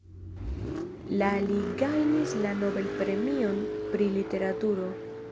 La li gajnis la Nobel-premion pri literaturo.